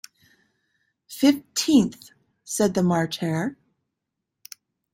‘Fifteenth,’ said the March Hare.